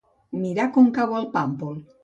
Mirar com cau el pàmpol.